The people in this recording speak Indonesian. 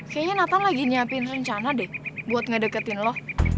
kayaknya nathan lagi nyiapin rencana deh buat ngedeketin loh